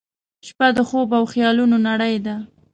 • شپه د خوب او خیالونو نړۍ ده.